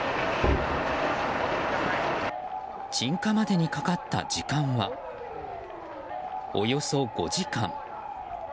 鎮火までにかかった時間はおよそ５時間。